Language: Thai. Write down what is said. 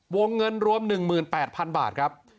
วงเงินรวม๑๘๐๐๐บาทครับ